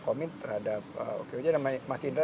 komit terhadap okoc dan mas indra